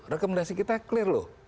rekomendasi kita clear loh